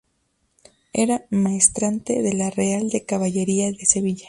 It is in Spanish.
Era maestrante de la Real de Caballería de Sevilla.